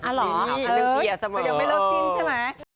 นุ่มเตียร์เสมอ